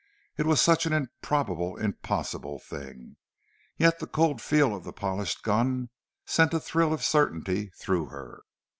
It was such an improbable, impossible thing. Yet the cold feel of the polished gun sent a thrill of certainty through her.